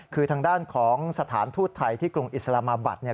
คือทางด้านของสถานทูตไทยที่กลุ่มอิสลามาบัติ